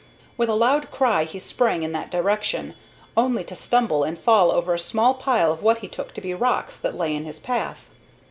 With a loud cry he sprang in that direction, only to stumble and fall over a small pile of what he took to be rocks that lay in his path.